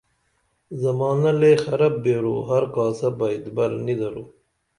زمانہ لے خرب بیرو ہر کاسہ بہ اتبر نی درو